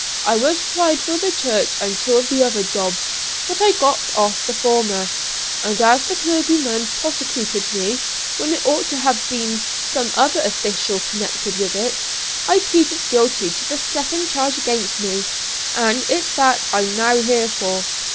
I was tried for the church and two of the other jobs; but I got off the former, as the clergyman prosecuted me, when it ought to have been some other official connected with it. I pleaded guilty to the second charge against me; and it's that I'm now here for.